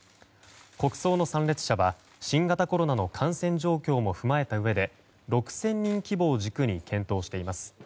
国葬の参列者は新型コロナの感染状況も踏まえたうえで６０００人規模を軸に検討しています。